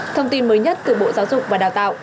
thông tin mới nhất từ bộ giáo dục và đào tạo